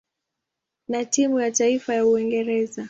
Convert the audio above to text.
na timu ya taifa ya Uingereza.